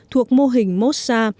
thuộc mô hình mosa